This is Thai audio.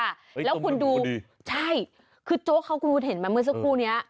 ต้มเลือดหมูดีค่ะแล้วคุณดูใช่คือโจ๊กเขาก็รู้เห็นมาเมื่อสักครู่นี้